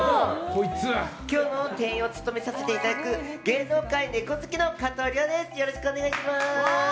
今日の店員を務めさせていただく芸能界ネコ好きの加藤諒です。